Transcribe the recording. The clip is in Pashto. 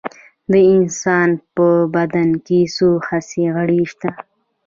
د انسان په بدن کې څو حسي غړي شته